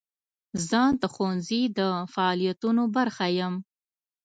زه د ښوونځي د فعالیتونو برخه یم.